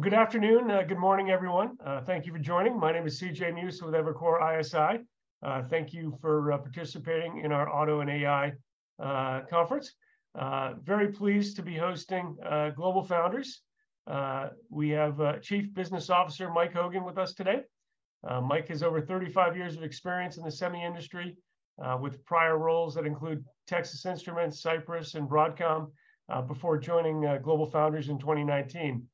Good afternoon. Good morning, everyone. Thank you for joining. My name is C.J. Muse with Evercore ISI. Thank you for participating in our Auto and AI conference. Very pleased to be hosting GlobalFoundries. We have Chief Business Officer, Mike Hogan, with us today. Mike has over 35 years of experience in the semi industry, with prior roles that include Texas Instruments, Cypress, and Broadcom, before joining GlobalFoundries in 2019.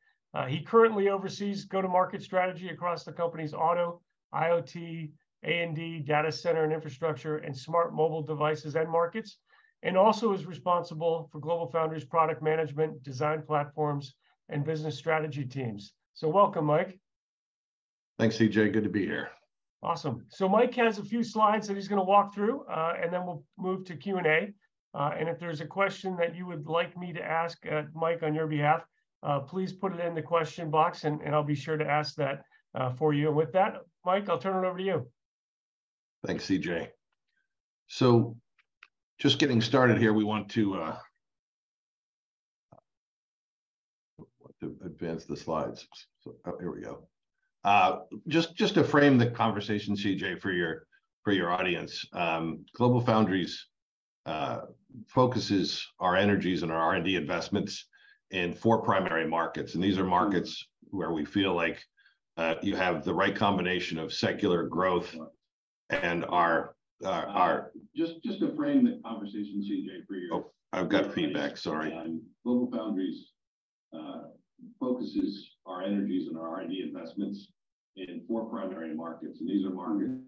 He currently oversees go-to-market strategy across the company's Auto, IoT, A&D, data center, and infrastructure, and smart mobile devices end markets, and also is responsible for GlobalFoundries' product management, design platforms, and business strategy teams. Welcome, Mike. Thanks, CJ. Good to be here. Awesome. Mike has a few slides that he's gonna walk through, and then we'll move to Q&A. If there's a question that you would like me to ask, Mike, on your behalf, please put it in the question box, and I'll be sure to ask that for you. With that, Mike, I'll turn it over to you. Thanks, C.J. Just getting started here, we want to advance the slides. Here we go. Just to frame the conversation, C.J., for your audience, GlobalFoundries focuses our energies and our R&D investments in four primary markets. These are markets where we feel like you have the right combination of secular growth and are- Just to frame the conversation, C.J. Oh, I've got feedback, sorry.... GlobalFoundries, focuses our energies and our R&D investments in four primary markets. These are markets...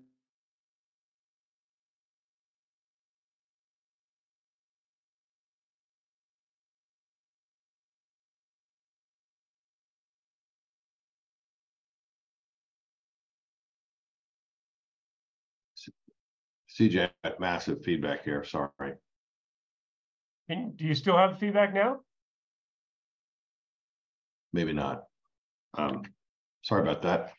C.J., I've got massive feedback here. Sorry. Can, do you still have the feedback now? Maybe not. Sorry about that.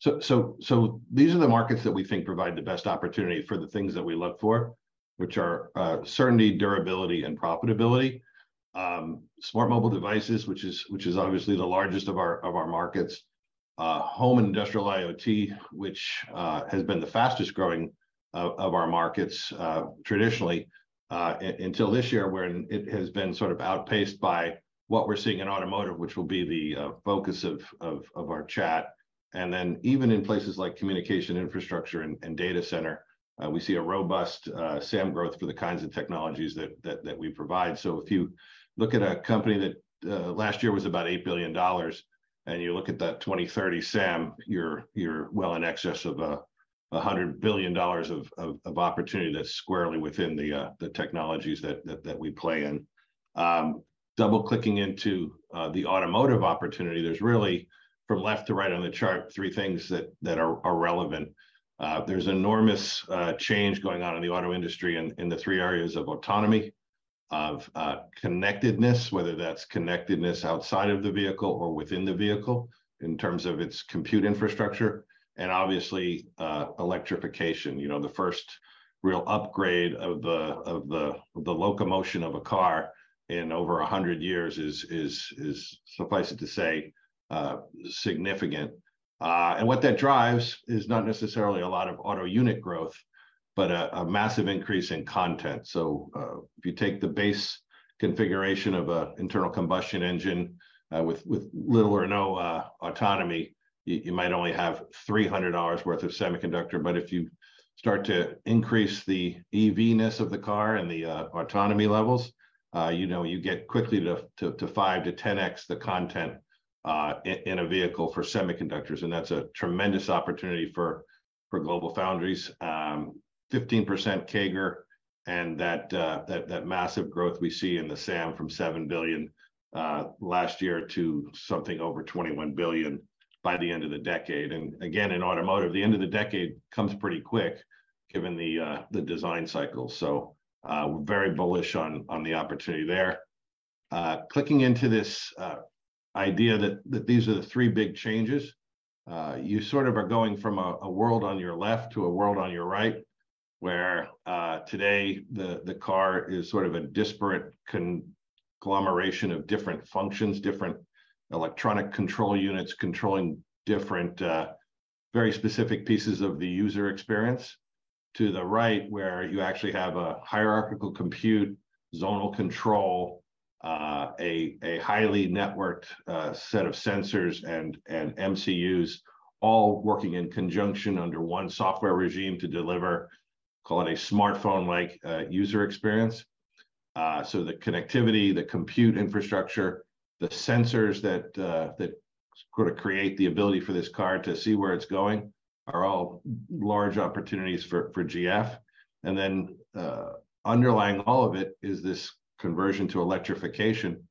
These are the markets that we think provide the best opportunity for the things that we look for, which are certainty, durability, and profitability. Smart mobile devices, which is obviously the largest of our markets. Home and industrial IoT, which has been the fastest growing of our markets, traditionally until this year, where it has been sort of outpaced by what we're seeing in automotive, which will be the focus of our chat. Even in places like communication, infrastructure and data center, we see a robust SAM growth for the kinds of technologies that we provide. If you look at a company that last year was about $8 billion, you look at that 2030 SAM, you're well in excess of opportunity that's squarely within the technologies that we play in. Double-clicking into the automotive opportunity, there's really, from left to right on the chart, three things that are relevant. There's enormous change going on in the auto industry in the three areas of autonomy, of connectedness, whether that's connectedness outside of the vehicle or within the vehicle in terms of its compute infrastructure, and obviously, electrification. You know, the first real upgrade of the locomotion of a car in over 100 years is, suffice it to say, significant. What that drives is not necessarily a lot of auto unit growth, but a massive increase in content. If you take the base configuration of an internal combustion engine, with little or no autonomy, you might only have $300 worth of semiconductor. If you start to increase the EV-ness of the car and the autonomy levels, you know, you get quickly to five to 10X the content in a vehicle for semiconductors, and that's a tremendous opportunity for GlobalFoundries. 15% CAGR, and that massive growth we see in the SAM from $7 billion last year to something over $21 billion by the end of the decade. Again, in automotive, the end of the decade comes pretty quick, given the design cycle. We're very bullish on the opportunity there. Clicking into this idea that these are the three big changes, you sort of are going from a world on your left to a world on your right, where today the car is sort of a disparate conglomeration of different functions, different electronic control units, controlling different very specific pieces of the user experience. To the right, where you actually have a hierarchical compute, zonal control, a highly networked set of sensors and MCUs, all working in conjunction under one software regime to deliver, call it, a smartphone-like user experience. The connectivity, the compute infrastructure, the sensors that sort of create the ability for this car to see where it's going, are all large opportunities for GF. Underlying all of it is this conversion to electrification,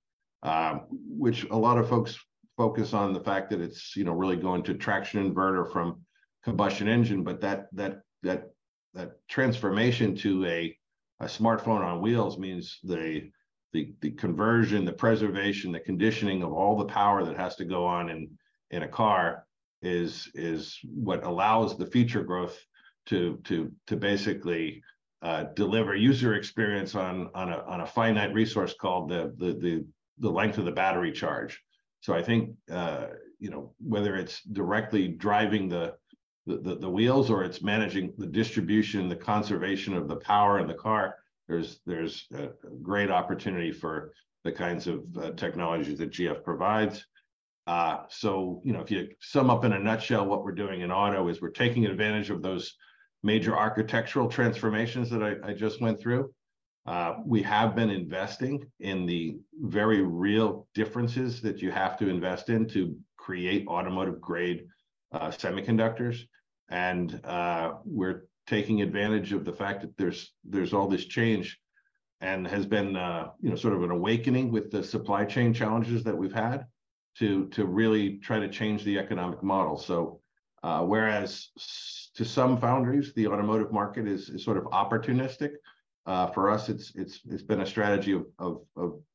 which a lot of folks focus on the fact that it's, you know, really going to traction inverter from combustion engine. That transformation to a smartphone on wheels means the conversion, the preservation, the conditioning of all the power that has to go on in a car is what allows the future growth to basically deliver user experience on a finite resource called the length of the battery charge. I think, you know, whether it's directly driving the wheels or it's managing the distribution, the conservation of the power in the car, there's a great opportunity for the kinds of technology that GF provides. You know, if you sum up in a nutshell, what we're doing in auto is we're taking advantage of those major architectural transformations that I just went through. We have been investing in the very real differences that you have to invest in to create automotive-grade semiconductors. We're taking advantage of the fact that there's all this change, and has been, you know, sort of an awakening with the supply chain challenges that we've had to really try to change the economic model. Whereas to some foundries, the automotive market is sort of opportunistic, for us, it's been a strategy of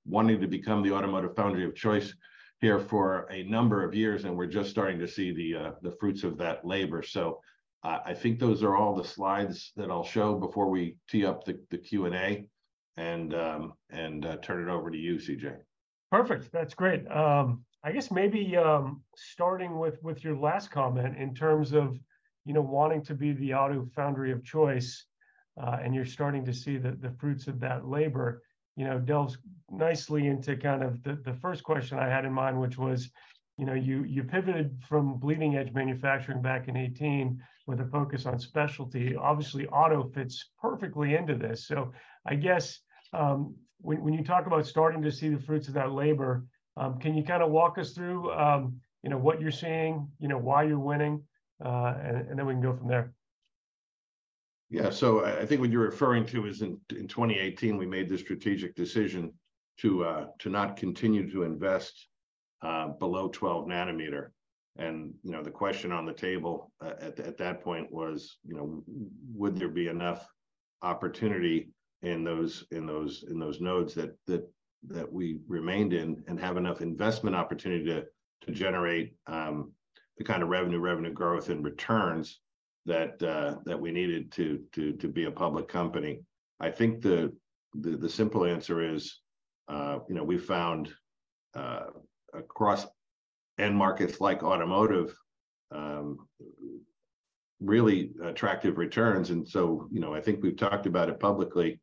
wanting to become the automotive foundry of choice here for a number of years, and we're just starting to see the fruits of that labor. I think those are all the slides that I'll show before we tee up the Q&A, and turn it over to you, C.J. Perfect. That's great. I guess maybe starting with your last comment in terms of, you know, wanting to be the auto foundry of choice, and you're starting to see the fruits of that labor, you know, delves nicely into kind of the first question I had in mind, which was, you know, you pivoted from leading-edge manufacturing back in 2018 with a focus on specialty. Obviously, auto fits perfectly into this. So I guess when you talk about starting to see the fruits of that labor, can you kinda walk us through, you know, what you're seeing, you know, why you're winning, and then we can go from there? I think what you're referring to is in 2018, we made the strategic decision to not continue to invest, below 12 nm. You know, the question on the table, at that, at that point was, you know, would there be enough opportunity in those nodes that we remained in, and have enough investment opportunity to generate, the kind of revenue growth and returns that we needed to be a public company. I think the simple answer is, you know, we found, across end markets like automotive, really attractive returns. You know, I think we've talked about it publicly,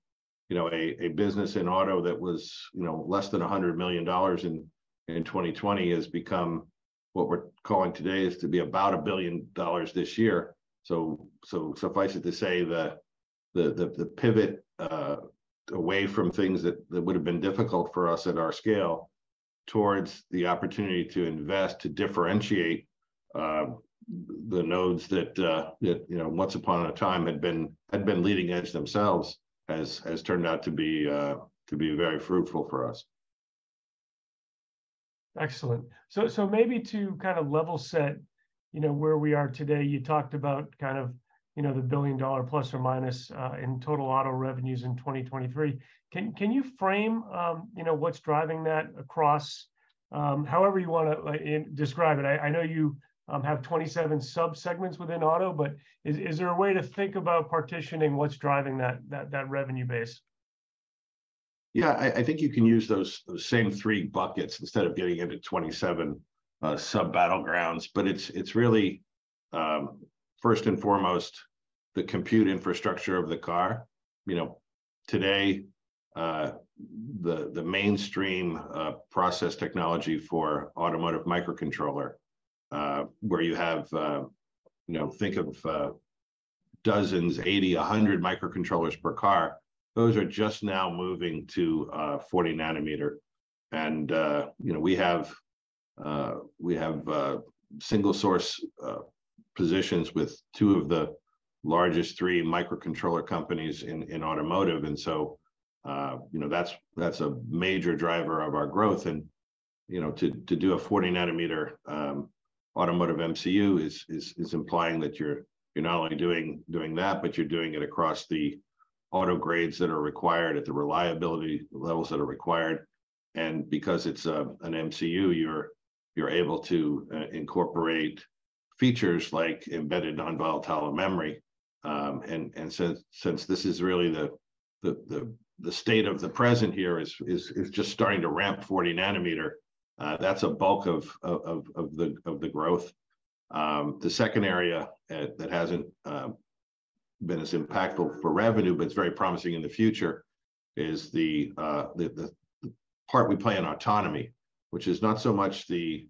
you know, a business in auto that was, you know, less than $100 million in 2020 has become what we're calling today is to be about $1 billion this year. Suffice it to say that the pivot away from things that would've been difficult for us at our scale, towards the opportunity to invest, to differentiate, the nodes that, you know, once upon a time had been leading edge themselves, has turned out to be very fruitful for us. Excellent. Maybe to kind of level set, you know, where we are today, you talked about kind of, the $1 billion plus or minus in total auto revenues in 2023. Can you frame, you know, what's driving that across, however you wanna describe it? I know you have 27 sub-segments within auto, but is there a way to think about partitioning what's driving that revenue base? Yeah, I think you can use those same three buckets instead of getting into 27 sub-battlegrounds. It's really first and foremost, the compute infrastructure of the car. You know, today, the mainstream process technology for automotive microcontroller, where you have, you know, think of dozens, 80, 100 microcontrollers per car, those are just now moving to 40 nm. You know, we have single source positions with two of the largest three microcontroller companies in automotive, so, you know, that's a major driver of our growth. You know, to do a 40-nm automotive MCU is implying that you're not only doing that, but you're doing it across the auto grades that are required at the reliability levels that are required. Because it's an MCU, you're able to incorporate features like embedded non-volatile memory. Since this is really the state of the present here is just starting to ramp 40 nm, that's a bulk of the growth. The second area that hasn't been as impactful for revenue, but it's very promising in the future, is the part we play in autonomy, which is not so much the,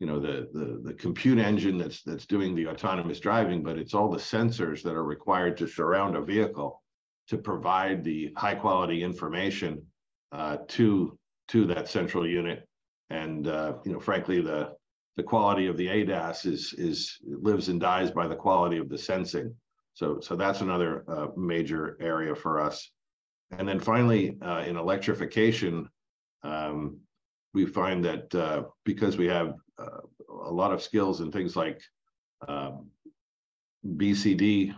you know, the compute engine that's doing the autonomous driving, but it's all the sensors that are required to surround a vehicle to provide the high-quality information to that central unit. You know, frankly, the quality of the ADAS is lives and dies by the quality of the sensing. That's another major area for us. Finally, in electrification, we find that because we have a lot of skills in things like BCD,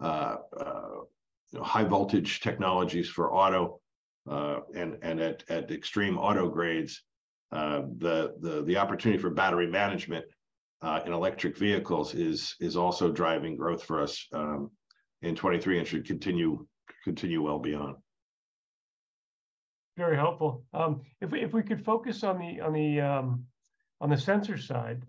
high voltage technologies for auto, and at extreme auto grades, the opportunity for battery management in electric vehicles is also driving growth for us in 2023, and should continue well beyond. Very helpful. If we could focus on the sensor side,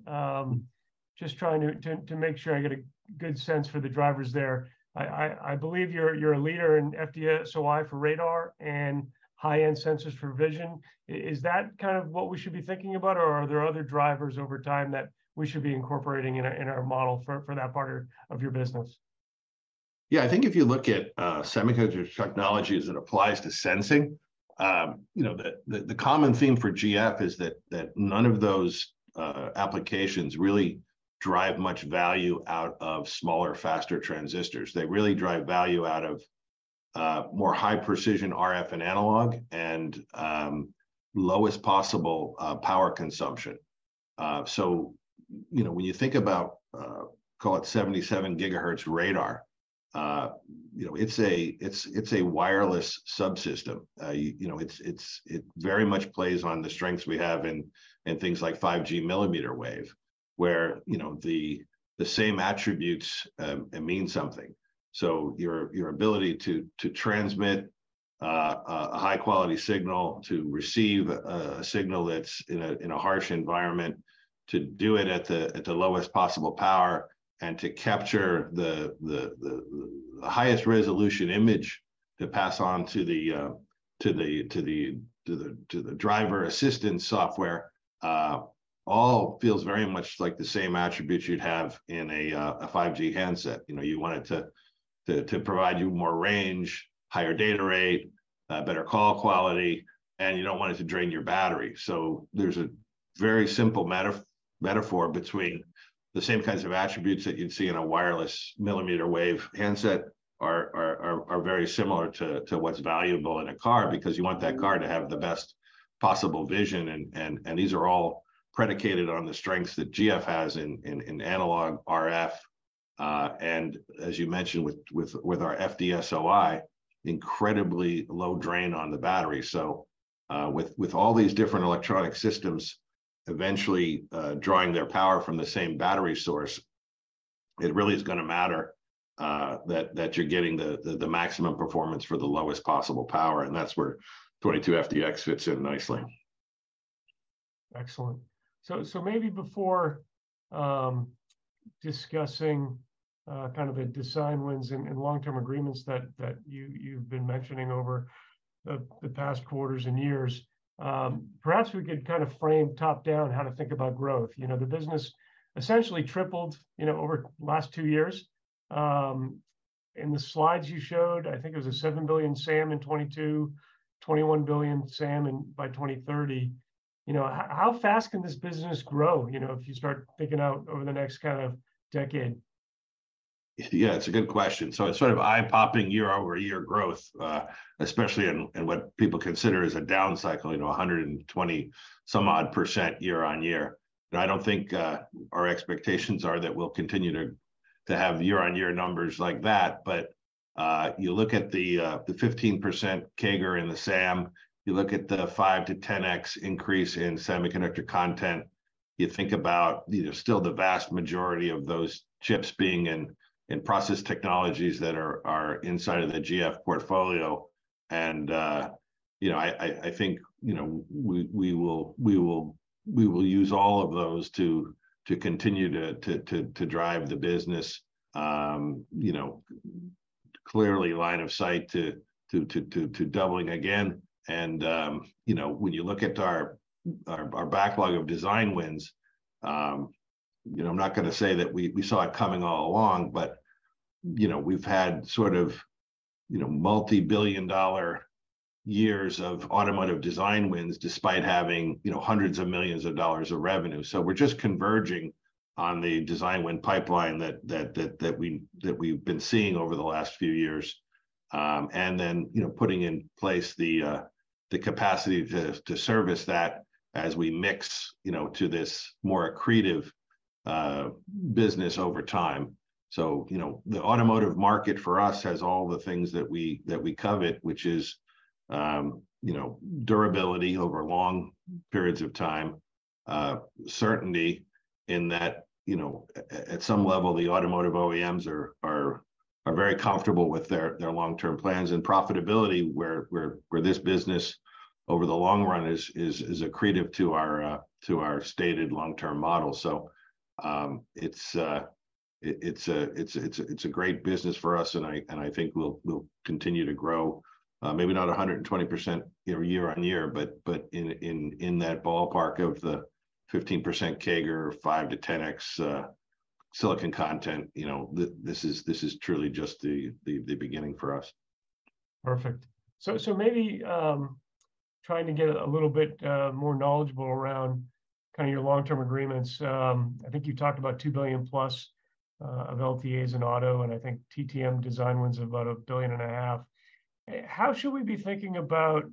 just trying to make sure I get a good sense for the drivers there. I believe you're a leader in FDSOI for radar and high-end sensors for vision. Is that kind of what we should be thinking about, or are there other drivers over time that we should be incorporating in our model for that part of your business? Yeah, I think if you look at semiconductor technology as it applies to sensing, you know, the common theme for GF is that none of those applications really drive much value out of smaller, faster transistors. They really drive value out of more high precision RF and analog, and lowest possible power consumption. You know, when you think about call it 77 GHz radar, you know, it's a wireless subsystem. You know, it very much plays on the strengths we have in things like 5G millimeter wave, where, you know, the same attributes, it means something. Your ability to transmit a high-quality signal, to receive a signal that's in a harsh environment, to do it at the lowest possible power, and to capture the highest resolution image to pass on to the driver assistance software, all feels very much like the same attributes you'd have in a 5G handset. You know, you want it to provide you more range, higher data rate, better call quality, and you don't want it to drain your battery. There's a very simple metaphor between the same kinds of attributes that you'd see in a wireless millimeter wave handset are very similar to what's valuable in a car..... because you want that car to have the best possible vision. These are all predicated on the strengths that GF has in analog RF, and as you mentioned, with our FDSOI, incredibly low drain on the battery. With all these different electronic systems eventually drawing their power from the same battery source, it really is gonna matter that you're getting the maximum performance for the lowest possible power, and that's where 22FDX fits in nicely. Excellent. Maybe before discussing kind of a design wins and long-term agreements that you've been mentioning over the past quarters and years, perhaps we could kind of frame top down how to think about growth. You know, the business essentially tripled, you know, over the last two years. In the slides you showed, I think it was a $7 billion SAM in 2022, $21 billion SAM in, by 2030. You know, how fast can this business grow, you know, if you start thinking out over the next kind of decade? Yeah, it's a good question. It's sort of eye-popping year-over-year growth, especially in what people consider as a down cycle, you know, 120 some odd percent year-on-year. I don't think our expectations are that we'll continue to have year-on-year numbers like that. You look at the 15% CAGR in the SAM, you look at the five to 10x increase in semiconductor content, you think about, you know, still the vast majority of those chips being in process technologies that are inside of the GF portfolio. You know, I think, you know, we will use all of those to continue to drive the business. You know, clearly line of sight to doubling again. You know, when you look at our, our backlog of design wins, you know, I'm not gonna say that we saw it coming all along, but, you know, we've had sort of, you know, $multi-billion years of automotive design wins, despite having, you know, $hundreds of millions of revenue. We're just converging on the design win pipeline that we've been seeing over the last few years. You know, putting in place the capacity to service that as we mix, you know, to this more accretive, business over time. You know, the automotive market for us has all the things that we, that we covet, which is, you know, durability over long periods of time. Certainly in that, you know, at some level, the automotive OEMs are very comfortable with their long-term plans and profitability, where this business, over the long run, is accretive to our stated long-term model. It's a great business for us, and I think we'll continue to grow. Maybe not 120%, you know, year on year, but in that ballpark of the 15% CAGR, 5-10x silicon content, you know, this is truly just the beginning for us. Perfect. Maybe, trying to get a little bit more knowledgeable around kind of your long-term agreements. I think you talked about $2 billion+ of LTAs in auto, and I think TTM design wins of about $1.5 billion. How should we be thinking about,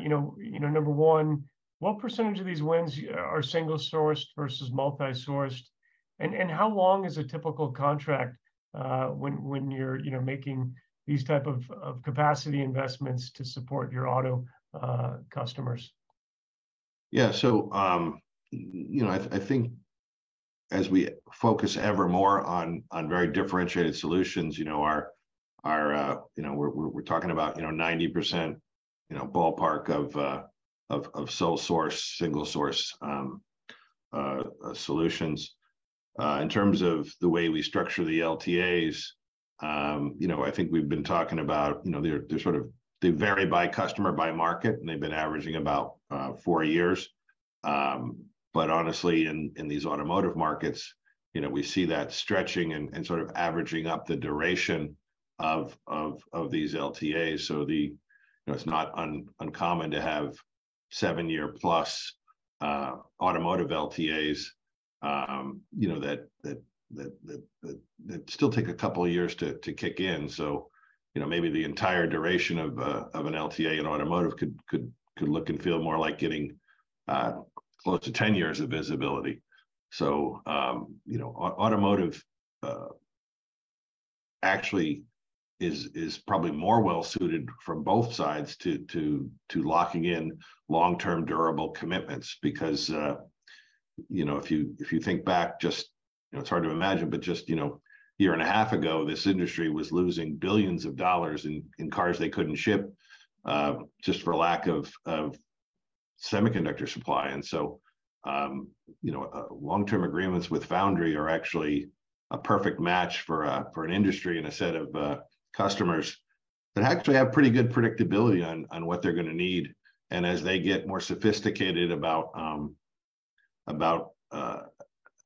you know, number one, what percentage of these wins are single-sourced versus multi-sourced? How long is a typical contract when you're making these type of capacity investments to support your auto customers? I think as we focus ever more on very differentiated solutions, you know, our, you know, we're talking about, you know, 90% ballpark of sole source, single source solutions. In terms of the way we structure the LTAs, you know, I think we've been talking about, you know, they're sort of they vary by customer, by market, and they've been averaging about four years. Honestly, in these automotive markets, you know, we see that stretching and sort of averaging up the duration of these LTAs. It's not uncommon to have seven-year-plus automotive LTAs, you know, that still take a couple of years to kick in. You know, maybe the entire duration of an LTA in automotive could look and feel more like getting close to 10 years of visibility. You know, automotive actually is probably more well-suited from both sides to locking in long-term, durable commitments. Because, you know, if you, if you think back, just, you know, it's hard to imagine, but just, you know, a year and a half ago, this industry was losing billions of dollars in cars they couldn't ship, just for lack of semiconductor supply. You know, long-term agreements with Foundry are actually a perfect match for an industry and a set of customers that actually have pretty good predictability on what they're gonna need. As they get more sophisticated about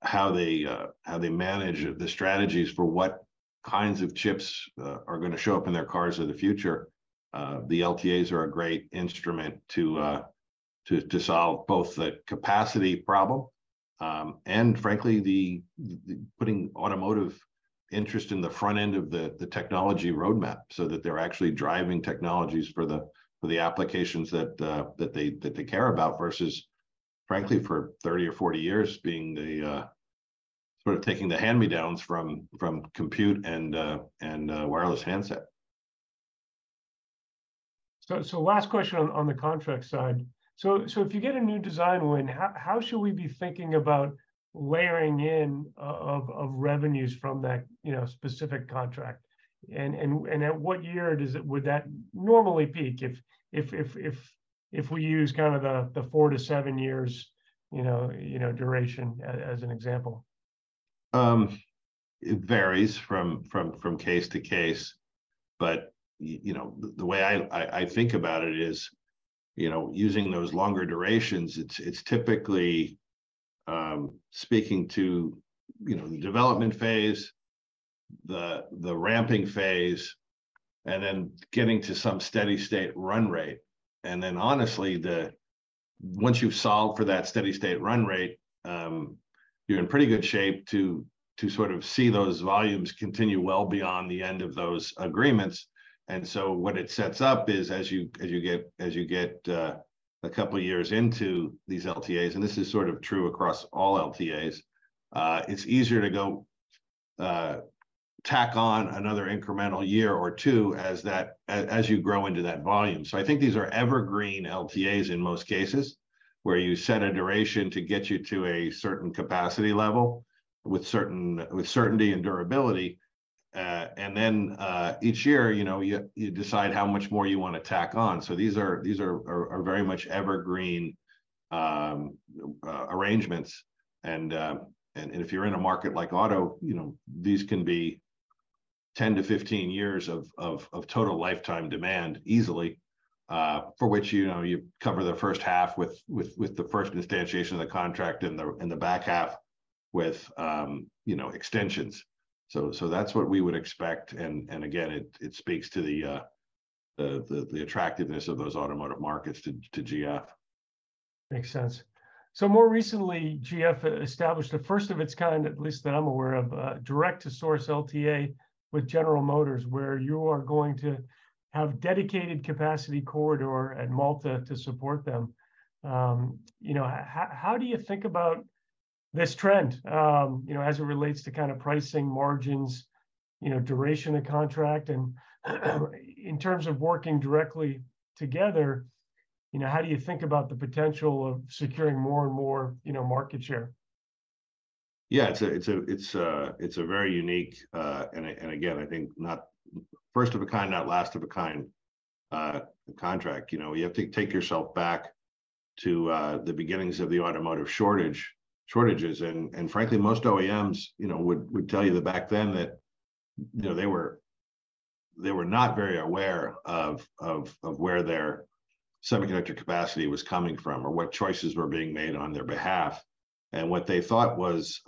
how they manage the strategies for what kinds of chips are gonna show up in their cars of the future, the LTAs are a great instrument to solve both the capacity problem, and frankly, the putting automotive interest in the front end of the technology roadmap, so that they're actually driving technologies for the applications that they care about, versus frankly, for 30 or 40 years, being the sort of taking the hand-me-downs from compute and wireless handset. Last question on the contract side. If you get a new design win, how should we be thinking about layering in of revenues from that, you know, specific contract? At what year would that normally peak, if we use kind of the four to seven years, you know, duration as an example? It varies from case to case. you know, the way I think about it is, you know, using those longer durations, it's typically speaking to, you know, the development phase, the ramping phase, and then getting to some steady state run rate. honestly, once you've solved for that steady state run rate, you're in pretty good shape to sort of see those volumes continue well beyond the end of those agreements. What it sets up is, as you get a couple of years into these LTAs, and this is sort of true across all LTAs, it's easier to go tack on another incremental year or two as you grow into that volume. I think these are evergreen LTAs in most cases, where you set a duration to get you to a certain capacity level with certainty and durability. Each year, you know, you decide how much more you want to tack on. These are very much evergreen arrangements. If you're in a market like auto, you know, these can be 10 to 15 years of total lifetime demand easily, for which, you know, you cover the first half with the first instantiation of the contract, and the back half with, you know, extensions. That's what we would expect, and again, it speaks to the attractiveness of those automotive markets to GF. Makes sense. More recently, GF established a first-of-its-kind, at least that I'm aware of, direct-to-source LTA with General Motors, where you are going to have dedicated capacity corridor at Malta to support them. You know, how do you think about this trend, you know, as it relates to kind of pricing margins, you know, duration of contract? In terms of working directly together, you know, how do you think about the potential of securing more and more, you know, market share? Yeah, it's a very unique, and again, I think first of a kind, not last of a kind, contract. You know, you have to take yourself back to the beginnings of the automotive shortages. Frankly, most OEMs, you know, would tell you that back then, that, you know, they were not very aware of where their semiconductor capacity was coming from or what choices were being made on their behalf. What they thought was,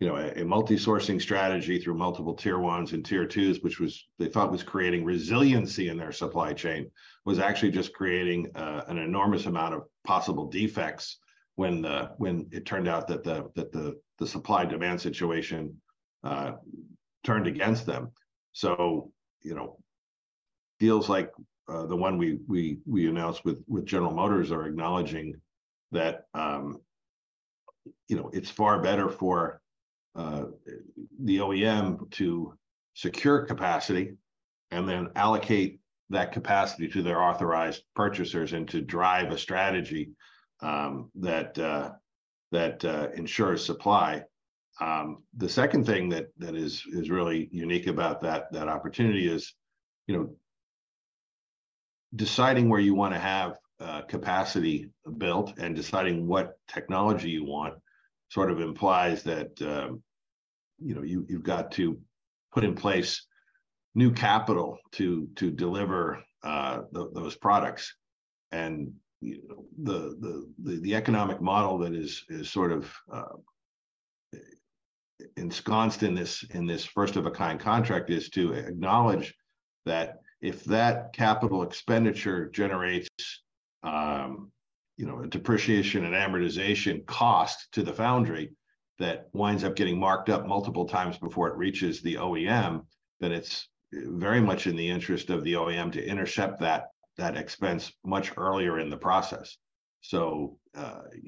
you know, a multi-sourcing strategy through multiple Tier 1s and Tier 2s, they thought was creating resiliency in their supply chain, was actually just creating an enormous amount of possible defects when it turned out that the supply-demand situation turned against them. You know, deals like the one we announced with General Motors are acknowledging that, you know, it's far better for the OEM to secure capacity, and then allocate that capacity to their authorized purchasers, and to drive a strategy that ensures supply. The second thing that is really unique about that opportunity is, you know, deciding where you wanna have capacity built and deciding what technology you want sort of implies that, you know, you've got to put in place new capital to deliver those products. You know, the economic model that is sort of, ensconced in this first-of-a-kind contract is to acknowledge that if that capital expenditure generates, you know, a depreciation and amortization cost to the foundry, that winds up getting marked up multiple times before it reaches the OEM, then it's very much in the interest of the OEM to intercept that expense much earlier in the process. You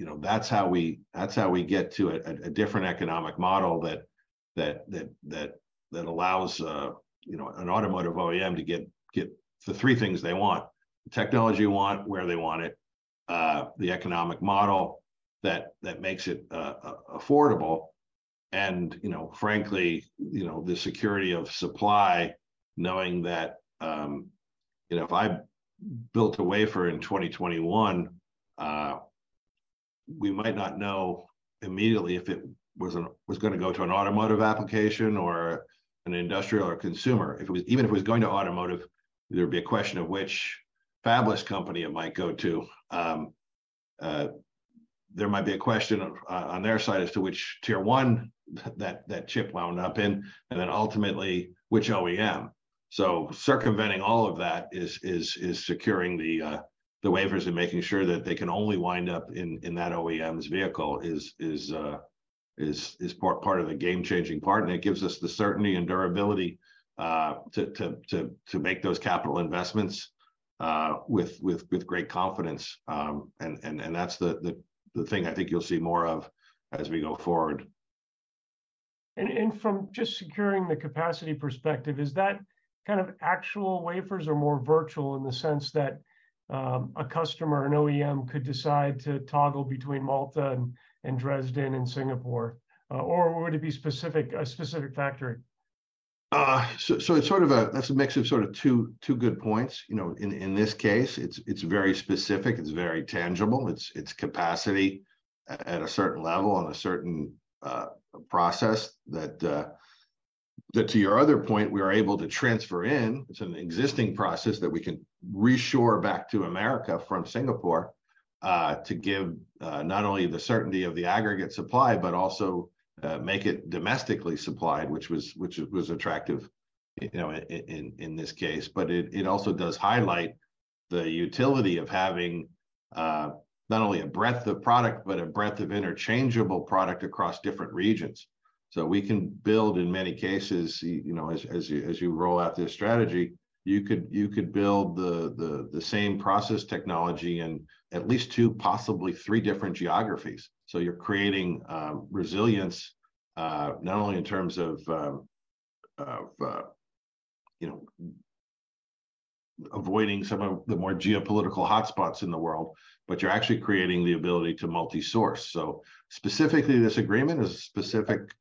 know, that's how we get to a different economic model that allows, you know, an automotive OEM to get the three things they want: the technology they want, where they want it, the economic model that makes it affordable, and, you know, frankly, you know, the security of supply, knowing that, you know, if I built a wafer in 2021, we might not know immediately if it was gonna go to an automotive application or an industrial or consumer. Even if it was going to automotive, there would be a question of which fabless company it might go to. There might be a question of on their side as to which Tier 1 that chip wound up in, and then ultimately, which OEM. Circumventing all of that is securing the wafers and making sure that they can only wind up in that OEM's vehicle is part of the game-changing part, it gives us the certainty and durability to make those capital investments with great confidence. That's the thing I think you'll see more of as we go forward. From just securing the capacity perspective, is that kind of actual wafers or more virtual in the sense that a customer or an OEM could decide to toggle between Malta and Dresden and Singapore? Or would it be specific, a specific factory? That's a mix of two good points. You know, in this case, it's very specific, it's very tangible, it's capacity at a certain level and a certain process that, to your other point, we are able to transfer in. It's an existing process that we can reshore back to America from Singapore, to give not only the certainty of the aggregate supply, but also make it domestically supplied, which was attractive, you know, in this case. It also does highlight the utility of having not only a breadth of product, but a breadth of interchangeable product across different regions. We can build, in many cases, you know, as you roll out this strategy, you could build the same process technology in at least two, possibly three different geographies. You're creating resilience, not only in terms of, you know, avoiding some of the more geopolitical hotspots in the world, but you're actually creating the ability to multi-source. Specifically, this agreement is a specific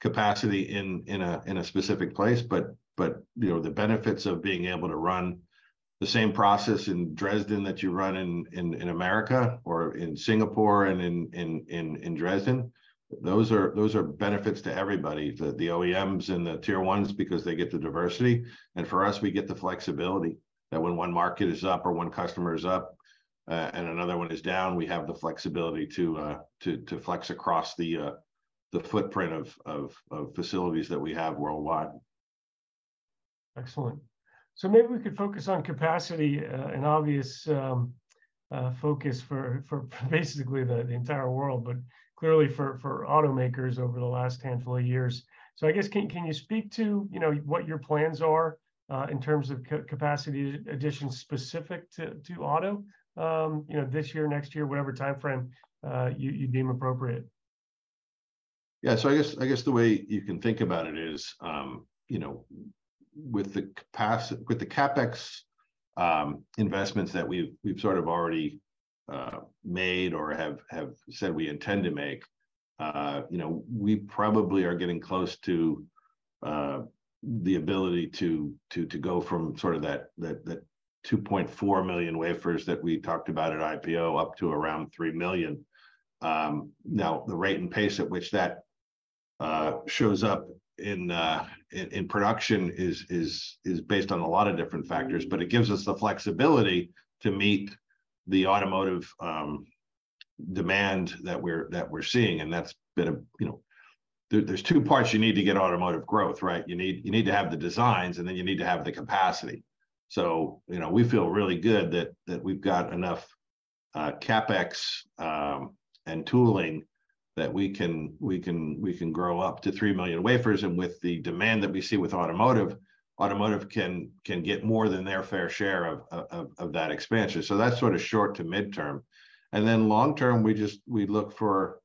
capacity in a specific place, but, you know, the benefits of being able to run the same process in Dresden that you run in America, or in Singapore, and in Dresden, those are benefits to everybody, the OEMs and the Tier 1s, because they get the diversity. For us, we get the flexibility, that when one market is up or one customer is up, and another one is down, we have the flexibility to flex across the footprint of facilities that we have worldwide. Excellent. Maybe we could focus on capacity, an obvious focus for basically the entire world, but clearly for automakers over the last handful of years. I guess, can you speak to, you know, what your plans are, in terms of capacity additions specific to auto? You know, this year, next year, whatever timeframe you deem appropriate. I guess the way you can think about it is, you know, with the CapEx investments that we've sort of already made or have said we intend to make, you know, we probably are getting close to the ability to go from sort of that 2.4 million wafers that we talked about at IPO up to around three million. Now, the rate and pace at which that shows up in production is based on a lot of different factors, but it gives us the flexibility to meet the automotive demand that we're seeing. That's been a, you know, There's 2 parts you need to get automotive growth, right? You need to have the designs, and then you need to have the capacity. You know, we feel really good that we've got enough CapEx and tooling that we can grow up to three million wafers. With the demand that we see with automotive can get more than their fair share of that expansion. That's sort of short to mid-term. Long-term, we look for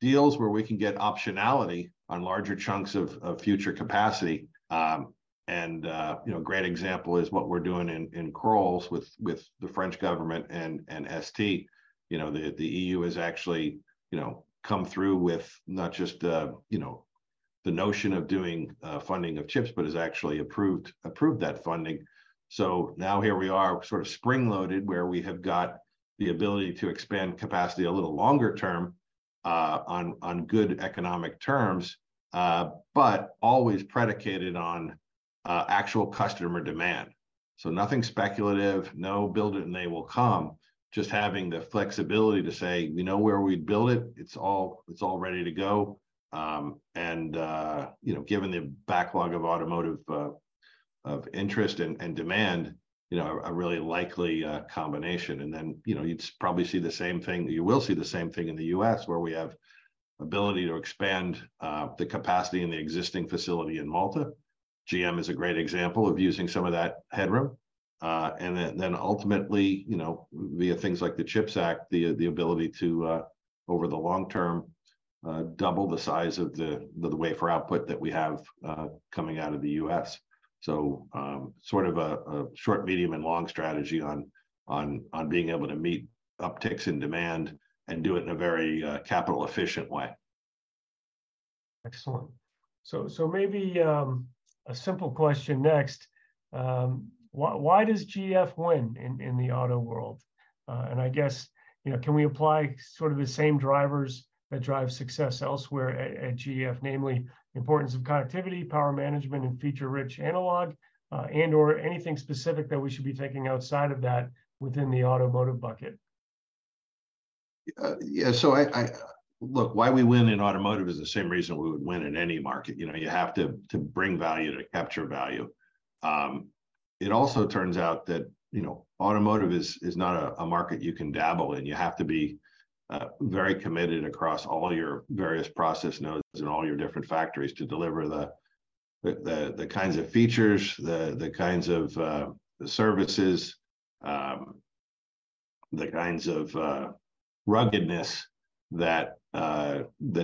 deals where we can get optionality on larger chunks of future capacity. You know, a great example is what we're doing in Crolles with the French government and ST. You know, the EU has actually, you know, come through with not just, you know, the notion of doing funding of chips, but has actually approved that funding. Now here we are, sort of spring-loaded, where we have got the ability to expand capacity a little longer term, on good economic terms, but always predicated on actual customer demand. Nothing speculative, no build it and they will come. Just having the flexibility to say, "We know where we'd build it. It's all ready to go." You know, given the backlog of automotive, of interest and demand, you know, a really likely combination. You know, you will see the same thing in the U.S., where we have ability to expand the capacity in the existing facility in Malta. GM is a great example of using some of that headroom. And then ultimately, you know, via things like the CHIPS Act, the ability to over the long term double the size of the wafer output that we have coming out of the U.S. Sort of a short, medium, and long strategy on being able to meet upticks in demand and do it in a very capital-efficient way. Excellent. Maybe, a simple question next. Why does GF win in the auto world? I guess, you know, can we apply sort of the same drivers that drive success elsewhere at GF, namely importance of connectivity, power management, and feature-rich analog, and/or anything specific that we should be taking outside of that within the automotive bucket? Yeah, so Look, why we win in automotive is the same reason we would win in any market. You know, you have to bring value, to capture value. It also turns out that, you know, automotive is not a market you can dabble in. You have to be very committed across all your various process nodes and all your different factories to deliver the kinds of features, the kinds of services, the kinds of ruggedness that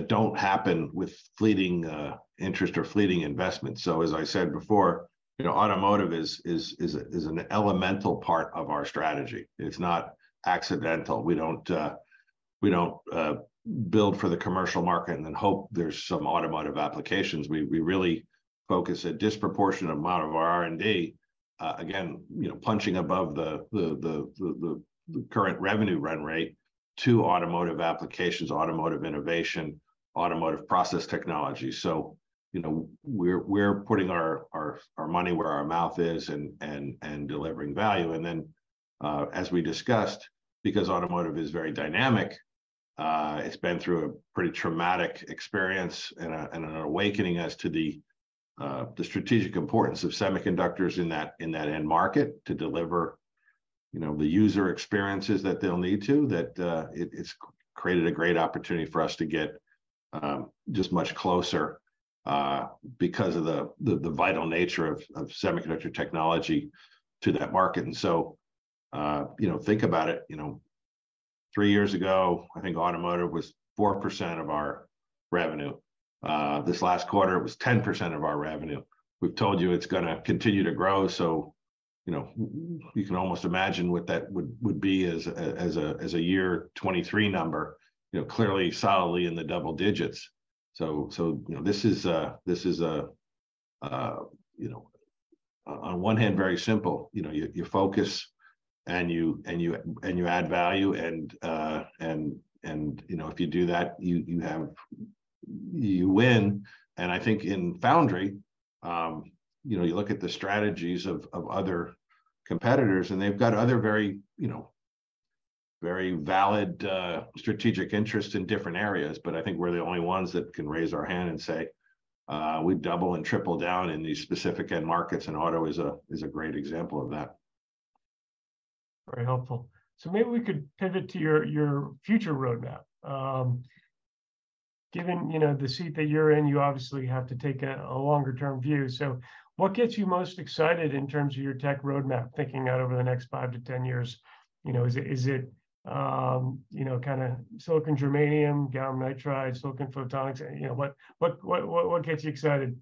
don't happen with fleeting interest or fleeting investment. As I said before, you know, automotive is an elemental part of our strategy. It's not accidental. We don't build for the commercial market and then hope there's some automotive applications. We really focus a disproportionate amount of our R&D, again, you know, punching above the current revenue run rate to automotive applications, automotive innovation, automotive process technology. You know, we're putting our money where our mouth is and delivering value. As we discussed, because automotive is very dynamic, it's been through a pretty traumatic experience and an awakening as to the strategic importance of semiconductors in that end market, to deliver, you know, the user experiences that they'll need to. It's created a great opportunity for us to get just much closer because of the vital nature of semiconductor technology to that market. You know, think about it, you know, three years ago, I think automotive was 4% of our revenue. This last quarter it was 10% of our revenue. We've told you it's gonna continue to grow, you know, you can almost imagine what that would be as a, as a, as a year 2023 number. You know, clearly solidly in the double digits. You know, this is, this is a, you know, on one hand, very simple. You know, you focus, and you add value, and, you know, if you do that, you have... You win. I think in Foundry, you know, you look at the strategies of other competitors, and they've got other very, you know, very valid strategic interests in different areas. I think we're the only ones that can raise our hand and say, "We've double and triple down in these specific end markets," and auto is a, is a great example of that. Very helpful. Maybe we could pivot to your future roadmap. Given, you know, the seat that you're in, you obviously have to take a longer-term view. What gets you most excited in terms of your tech roadmap, thinking out over the next five to ten years? You know, is it, is it, you know, kinda silicon-germanium, gallium nitride, silicon photonics? You know, what gets you excited?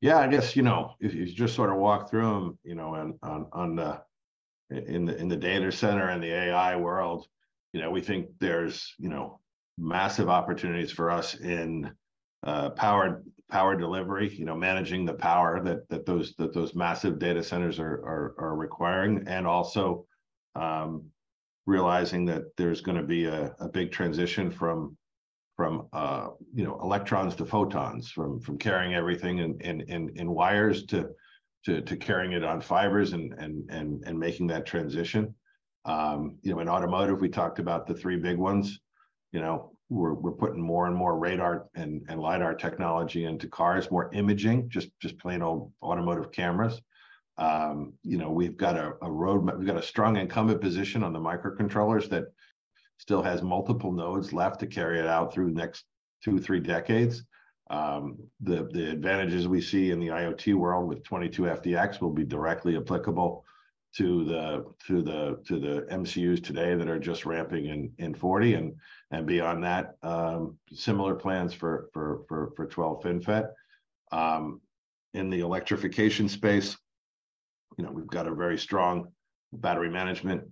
Yeah, I guess, you know, if you just sort of walk through them, you know, on the, in the, in the data center and the AI world, you know, we think there's, you know, massive opportunities for us in power delivery. You know, managing the power that those massive data centers are requiring. Also, realizing that there's gonna be a big transition from, you know, electrons to photons, from carrying everything in wires to carrying it on fibers and making that transition. You know, in automotive, we talked about the three big ones. You know, we're putting more and more radar and lidar technology into cars, more imaging, just plain old automotive cameras. You know, we've got a strong incumbent position on the microcontrollers that still has multiple nodes left to carry it out through the next two, three decades. The advantages we see in the IoT world with 22FDX will be directly applicable to the MCUs today that are just ramping in 40. Beyond that, similar plans for 12 FinFET. In the electrification space, you know, we've got a very strong battery management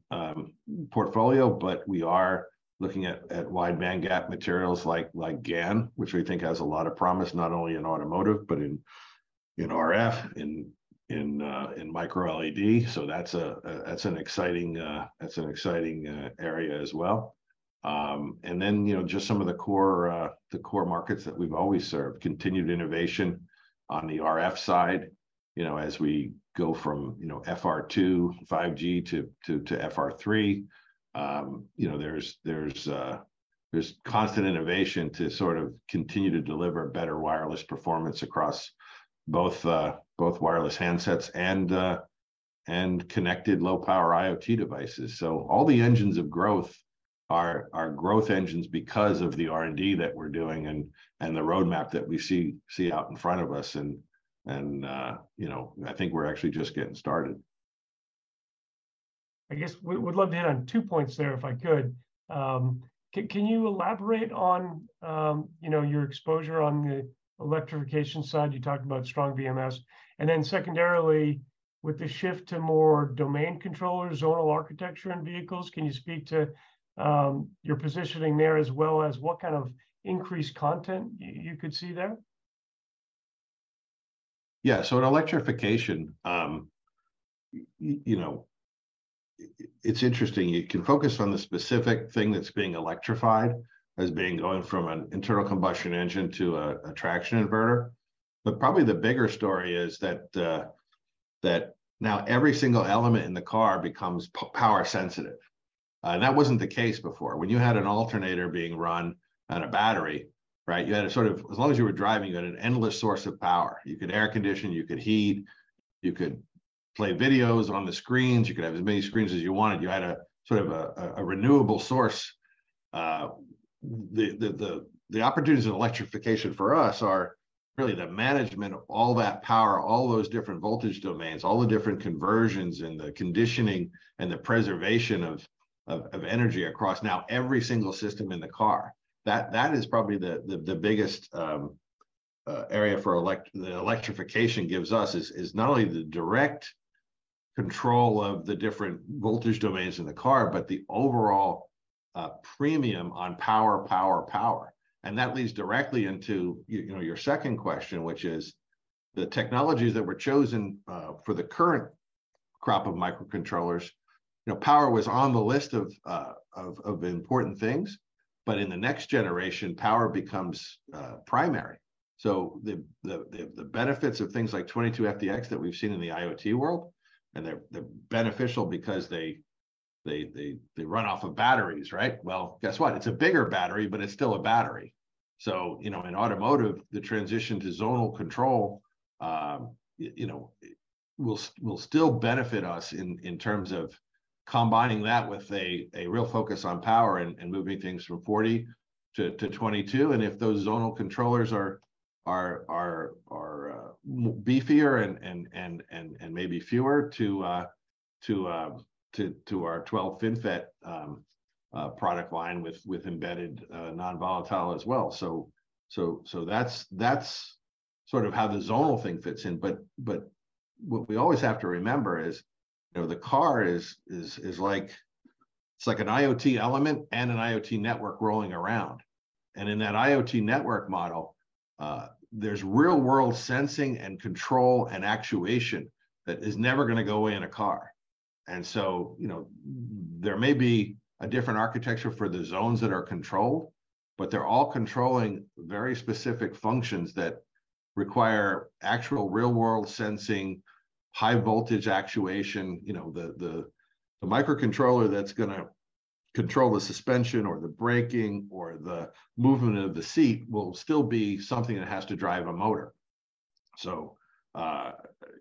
portfolio, but we are looking at wide bandgap materials like GaN, which we think has a lot of promise, not only in automotive, but in RF, in Micro LED. That's an exciting area as well. Then, you know, just some of the core, the core markets that we've always served, continued innovation on the RF side, you know, as we go from, you know, FR2 5G to FR3. You know, there's constant innovation to sort of continue to deliver better wireless performance across both wireless handsets and connected low-power IoT devices. All the engines of growth are growth engines because of the R&D that we're doing and the roadmap that we see out in front of us. You know, I think we're actually just getting started. I guess we would love to hit on two points there, if I could. Can you elaborate on, you know, your exposure on the electrification side? You talked about strong BMS. Secondarily, with the shift to more domain controllers, zonal architecture in vehicles, can you speak to your positioning there, as well as what kind of increased content you could see there? Yeah. In electrification, you know, it's interesting. You can focus on the specific thing that's being electrified as being going from an internal combustion engine to a traction inverter, but probably the bigger story is that now every single element in the car becomes power sensitive. That wasn't the case before. When you had an alternator being run on a battery, right, you had a sort of... as long as you were driving, you had an endless source of power. You could air condition, you could heat, you could play videos on the screens, you could have as many screens as you wanted. You had a, sort of a, a renewable source. The opportunities in electrification for us are really the management of all that power, all those different voltage domains, all the different conversions, and the conditioning and the preservation of energy across now every single system in the car. That is probably the biggest area that electrification gives us, is not only the direct control of the different voltage domains in the car, but the overall premium on power, power. That leads directly into you know, your second question, which is, the technologies that were chosen for the current crop of microcontrollers, you know, power was on the list of important things, but in the next generation, power becomes primary. The benefits of things like 22FDX that we've seen in the IoT world, and they're beneficial because they run off of batteries, right? Guess what? It's a bigger battery, but it's still a battery. You know, in automotive, the transition to zonal control, you know, will still benefit us in terms of combining that with a real focus on power and moving things from 40 to 22. If those zonal controllers are beefier and maybe fewer to our 12 FinFET product line with embedded nonvolatile as well. That's sort of how the zonal thing fits in. What we always have to remember is, you know, the car is like an IoT element and an IoT network rolling around. In that IoT network model, there's real-world sensing and control and actuation that is never gonna go away in a car. You know, there may be a different architecture for the zones that are controlled, but they're all controlling very specific functions that require actual real-world sensing, high voltage actuation. You know, the microcontroller that's gonna control the suspension or the braking or the movement of the seat will still be something that has to drive a motor.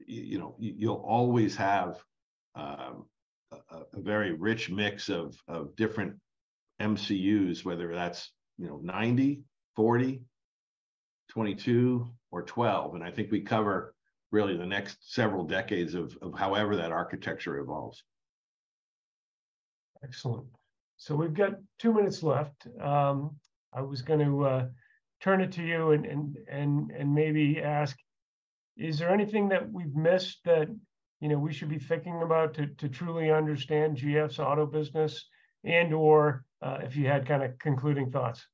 You know, you'll always have a very rich mix of different MCUs, whether that's, you know, 90, 40, 22, or 12. I think we cover really the next several decades of however that architecture evolves. Excellent. We've got two minutes left. I was gonna turn it to you, and maybe ask, is there anything that we've missed that, you know, we should be thinking about to truly understand GF's auto business, and/or, if you had kinda concluding thoughts?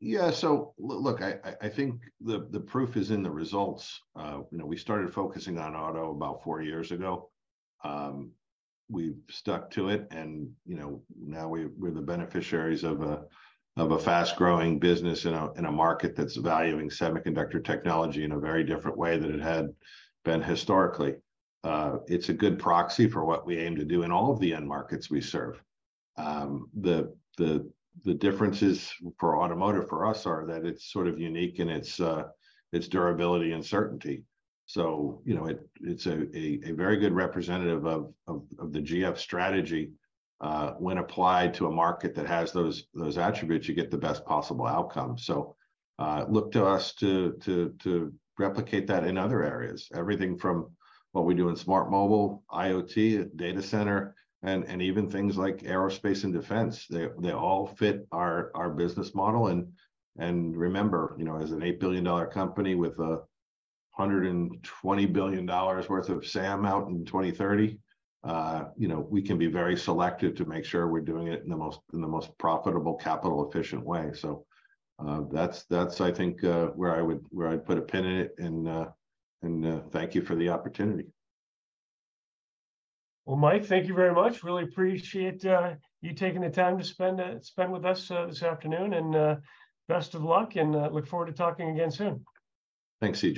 Yeah, look, I think the proof is in the results. You know, we started focusing on auto about 4 years ago. We've stuck to it, and, you know, now we're the beneficiaries of a fast-growing business in a market that's valuing semiconductor technology in a very different way than it had been historically. It's a good proxy for what we aim to do in all of the end markets we serve. The differences for automotive for us are that it's sort of unique in its durability and certainty. You know, it's a very good representative of the GF strategy. When applied to a market that has those attributes, you get the best possible outcome. Look to us to replicate that in other areas, everything from what we do in smart mobile, IoT, data center, and even things like aerospace and defense, they all fit our business model. Remember, you know, as an $8 billion company with $120 billion worth of SAM out in 2030, you know, we can be very selective to make sure we're doing it in the most profitable, capital-efficient way. That's, I think, where I'd put a pin in it, and thank you for the opportunity. Well, Mike, thank you very much. Really appreciate you taking the time to spend with us this afternoon. Best of luck, and, look forward to talking again soon. Thanks, C.J.